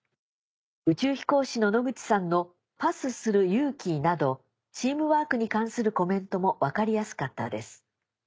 宇宙飛行士の野口さんの『パスする勇気』などチームワークに関するコメントも分かりやすかったです。